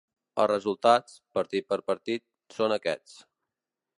Els resultats, partit per partit, són aquests.